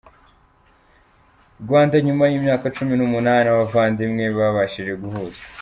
Rwanda Nyuma y’imyaka cumi numunani abavandimwe babashije guhuzwa